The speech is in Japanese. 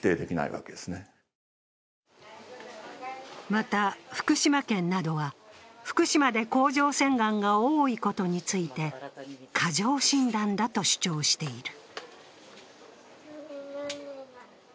また福島県などは福島で甲状腺がんが多いことについて過剰診断だと主張している。